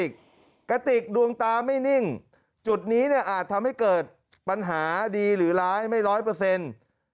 กระติกดวงตาไม่นิ่งจุดนี้เนี่ยอาจทำให้เกิดปัญหาดีหรือร้ายไม่ร้อยเปอร์เซ็นต์